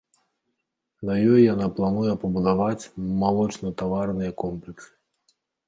На ёй яна плануе пабудаваць малочнатаварныя комплексы.